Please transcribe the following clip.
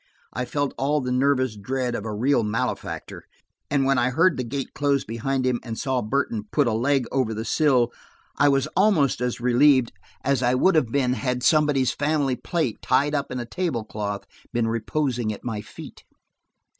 I felt all the nervous dread of a real malefactor, and when I heard the gate close behind him, and saw Burton put a leg over the sill, I was almost as relieved as I would have been had somebody's family plate, tied up in a tablecloth, been reposing at my feet.